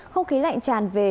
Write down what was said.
không khí lạnh tràn về